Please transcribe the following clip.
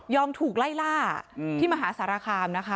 ยอมถูกไล่ล่าอ่ะอืมที่มหาสารคามนะคะ